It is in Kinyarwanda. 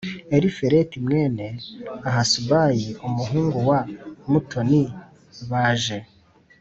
Elifeleti mwene Ahasubayi umuhungu wa mutoni baje